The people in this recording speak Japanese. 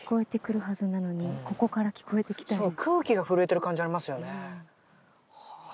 そう空気が震えてる感じありますよねはあ